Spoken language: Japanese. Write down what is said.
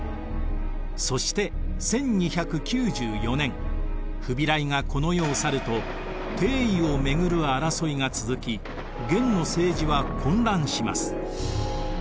そして１２９４年フビライがこの世を去ると帝位をめぐる争いが続き元の政治は混乱します。